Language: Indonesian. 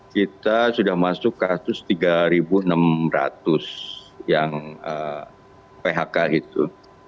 kita sudah masuk kasus tiga enam ratus yang phk itu